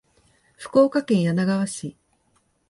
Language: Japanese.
福岡県柳川市